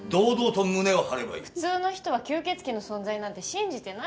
普通の人は吸血鬼の存在なんて信じてないから。